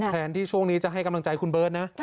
แทนที่ช่วงนี้จะให้กำลังใจคุณเบิร์ตนะ